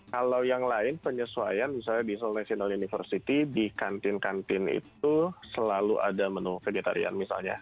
kalau yang lain penyesuaian misalnya di seoul national university di kantin kantin itu selalu ada menu vegetarian misalnya